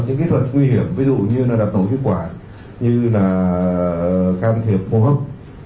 những kỹ thuật nguy hiểm ví dụ như là đập tổ chức quả như là can thiệp mô hấp